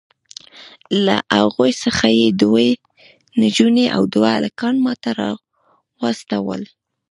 له هغوی څخه یې دوې نجوني او دوه هلکان ماته راواستول.